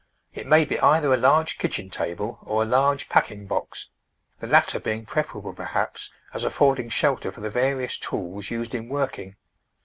It may be either a large kitchen table or a large packing box, the latter being preferable, perhaps, as affording shelter for the various tools used in working.